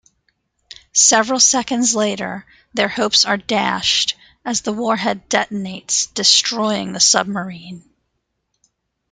Several seconds later, their hopes are dashed as the warhead detonates, destroying the submarine.